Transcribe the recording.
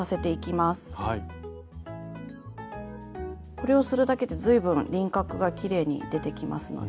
これをするだけで随分輪郭がきれいに出てきますので。